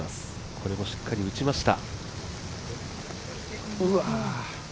これもしっかり打ちました。